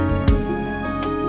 kita pulang ya